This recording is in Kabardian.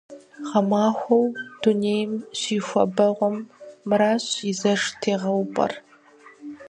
Гъэмахуэу дунейм щихуабэгъуэм мыращ и зэш тегъэупӀэр.